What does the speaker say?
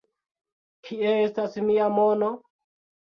Kie estas mia mono?